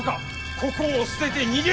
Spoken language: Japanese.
ここを捨てて逃げるか。